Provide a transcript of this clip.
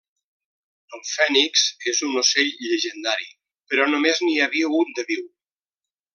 El fènix és un ocell llegendari, però només n'hi havia un de viu.